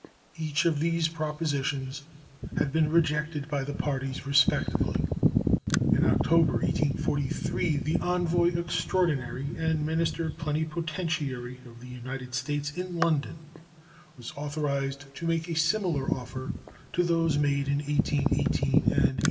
Each of these propositions had been rejected by the parties respectively. In October, 1843, the envoy extraordinary and minister plenipotentiary of the United States in London was authorized to make a similar offer to those made in 1818 and 1826.